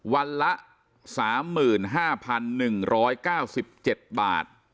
วันละ๓๕๑๙๗บาท